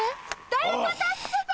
誰か助けて！